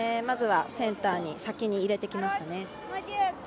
まずはセンターに先に入れてきました。